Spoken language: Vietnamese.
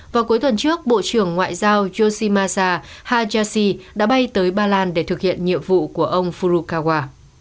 vào cuối tuần trước bộ trưởng ngoại giao yoshimasa hajashi đã bay tới ba lan để thực hiện nhiệm vụ của ông fukawa